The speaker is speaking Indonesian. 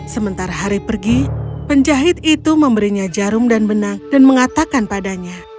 sementara hari pergi penjahit itu memberinya jarum dan benang dan mengatakan padanya